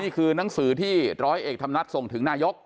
นี่คือหนังสือที่ร้อยเอกธรรมนัฐส่งถึงนายก